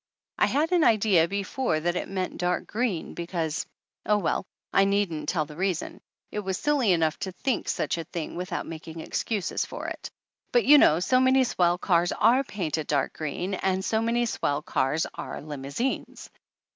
I had an idea before that it meant dark green, because oh, well, I needn't tell the reason ; it was silly enough to think such a thing without making excuses for it. But you know THE ANNALS OF ANN so many swell cars are painted dark green, and so many swell cars are limousines